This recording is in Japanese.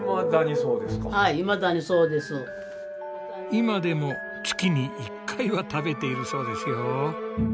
今でも月に１回は食べているそうですよ。